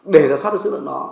để ra xác được số lượng đó